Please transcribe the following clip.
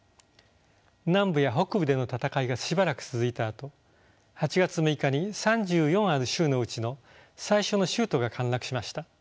南部や北部での戦いがしばらく続いたあと８月６日に３４ある州のうちの最初の州都が陥落しました。